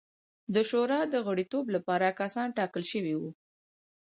د شورا د غړیتوب لپاره کسان ټاکل شوي وو.